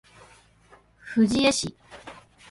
藤枝市